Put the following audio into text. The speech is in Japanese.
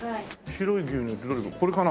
白い牛乳ってどれこれかな？